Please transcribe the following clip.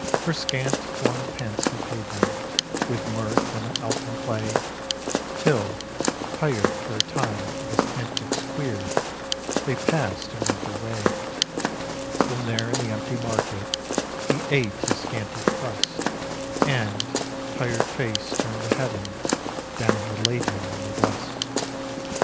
For scant flung pence he paid them With mirth and elfin play, Till, tired for a time of his antics queer, They passed and went their way; Then there in the empty market He ate his scanty crust, And, tired face turned to heaven, down He laid him in the dust.